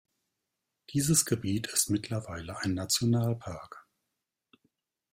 Dieses Gebiet ist mittlerweile ein Nationalpark.